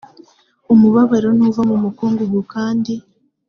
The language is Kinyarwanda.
umubabaro ntuva mu mukungugu kandi